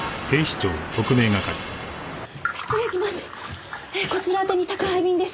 失礼します。